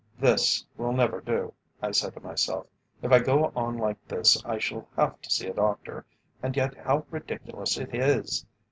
"This will never do," I said to myself. "If I go on like this I shall have to see a doctor; and yet how ridiculous it is.